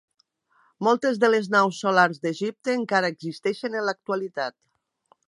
Moltes de les naus solars d'Egipte encara existeixen en l'actualitat.